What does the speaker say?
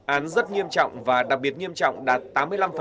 án rất nghiêm trọng và đặc biệt nghiêm trọng đạt tám mươi năm